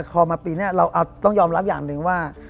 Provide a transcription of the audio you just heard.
พอมาปีนี้เราต้องยอมรับอย่างหนึ่งว่า